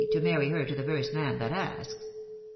to marry her to the first man that asks.